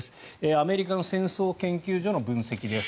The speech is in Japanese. アメリカの戦争研究所の分析です。